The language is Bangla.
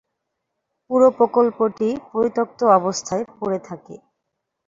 পুরো প্রকল্পটি পরিত্যক্ত অবস্থায় পড়ে থাকে।